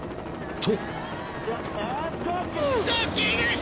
［と